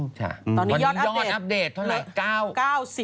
ตอนนี้ยอดอัปเดตเท่าไหร่